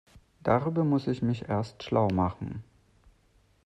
Darüber muss ich mich erst schlau machen.